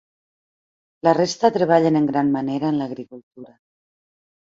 La resta treballen en gran manera en l'agricultura.